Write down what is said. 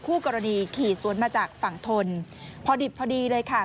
คู่กรณีขี่สวนมาจากฝั่งทนพอดิบพอดีเลยค่ะ